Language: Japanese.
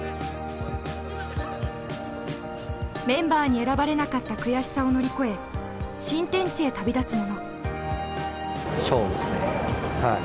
メンバーに選ばれなかった悔しさを乗り越え新天地へ旅立つ者。